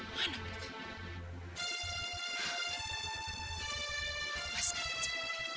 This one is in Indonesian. mereka semua sudah berhenti